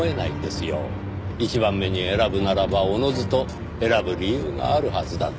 一番目に選ぶならばおのずと選ぶ理由があるはずだと。